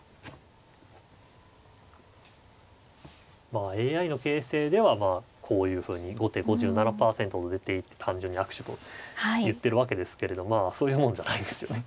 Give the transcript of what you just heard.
まあＡＩの形勢ではこういうふうに後手５７％と出て単純に悪手と言ってるわけですけれどまあそういうもんじゃないんですよね。